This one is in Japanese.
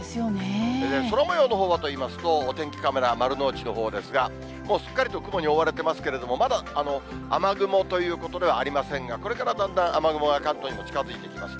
空もようのほうはといいますと、お天気カメラ、丸の内のほうですが、もうすっかりと雲に覆われてますけれども、まだ雨雲ということではありませんが、これからだんだん雨雲が関東にも近づいてきます。